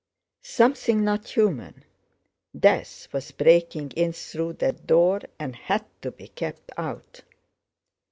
Something not human—death—was breaking in through that door, and had to be kept out.